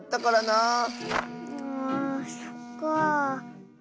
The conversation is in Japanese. あそっかあ。